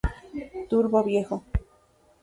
Turbio Viejo